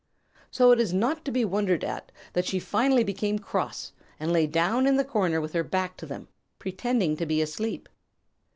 So it is not to be wondered at that she finally became cross and lay down in the corner with her back to them, pretending to be asleep.